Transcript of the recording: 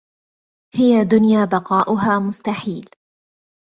هي دنيا بقاؤها مستحيل